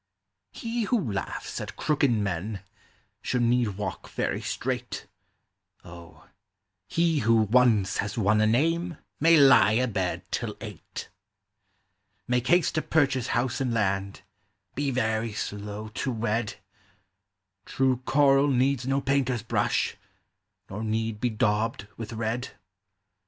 He who laughs at crooked men should need walk very straight ; O, he who once has won a name may lie abed till eight ; Make haste to purchase house and land, be very slow to wed ; True coral needs no painter's brush, nor need be daubed with red.